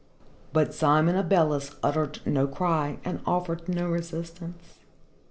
But Simon Abeles uttered no cry and offered no resistance.